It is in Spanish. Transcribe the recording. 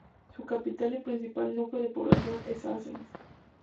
Su capital y principal núcleo de población es Assens.